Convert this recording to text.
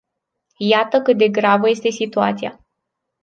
Iată cât de gravă este situația.